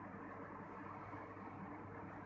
แต่ว่าจะเป็นแบบนี้